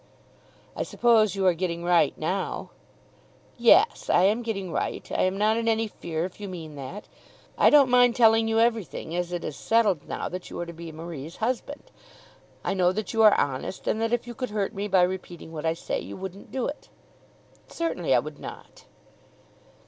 "I suppose you are getting right now." "Yes; I am getting right. I am not in any fear if you mean that. I don't mind telling you everything as it is settled now that you are to be Marie's husband. I know that you are honest, and that if you could hurt me by repeating what I say you wouldn't do it." "Certainly I would not."